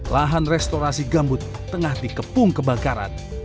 lahan restorasi gambut tengah di kepung kebakaran